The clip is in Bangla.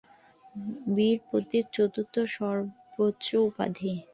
বীর প্রতীক চতুর্থ সর্বোচ্চ উপাধি।